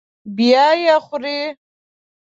بیا یې خوري.